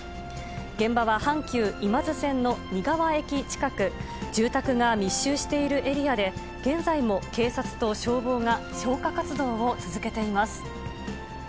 現場は阪急今津線の仁川駅近く、住宅が密集しているエリアで、現在も警察と消防が消火活動を続けています。